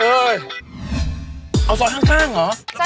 เอาซอยข้างเหรอ